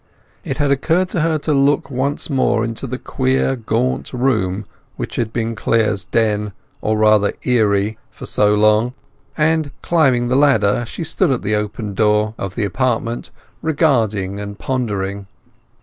It had occurred to her to look once more into the queer gaunt room which had been Clare's den, or rather eyrie, for so long, and climbing the ladder she stood at the open door of the apartment, regarding and pondering.